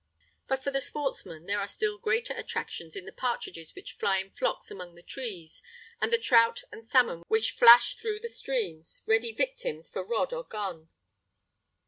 But for the sportsman there are still greater attractions in the partridges which fly in flocks among the trees, and the trout and salmon which Hash through the streams, ready victims for rod or gun.